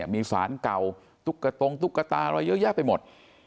มีสารเก่าตุ๊กตรงตุ๊กตาอะไรเยอะแยะไปหมด